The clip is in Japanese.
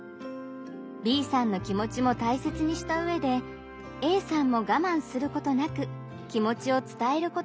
Ｂさんの気持ちも大切にした上でＡさんもがまんすることなく気持ちを伝えることができます。